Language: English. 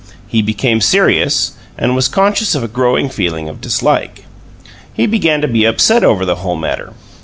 He became serious, and was conscious of a growing feeling of dislike; he began to be upset over the whole matter.